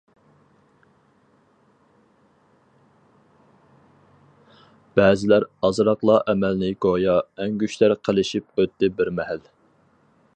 بەزىلەر ئازراقلا ئەمەلنى گويا، ئەڭگۈشتەر قىلىشىپ ئۆتتى بىر مەھەل.